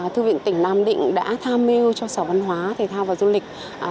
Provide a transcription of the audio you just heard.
thư viện tỉnh nam định đã tham mưu cho sở văn hóa thể thao và du lịch